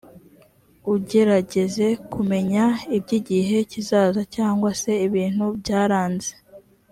ugerageze kumenya iby igihe kizaza cyangwa se ibintu byaranze